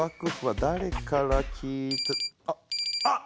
あっあっ！